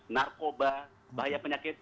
narkoba bahaya penyakit